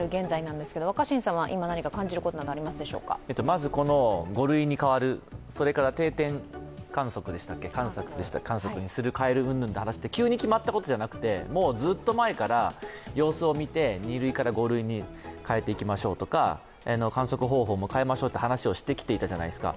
まずこの、５類に変わる、それから定点把握に帰るうんぬんの話って急に決まったことじゃなくて、ずっと前から様子を見て、２類から５類に変えていきましょうとか観測方法も変えましょうという話をしてきたじゃないですか。